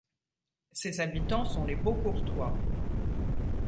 Ses habitants sont les Beaucourtois.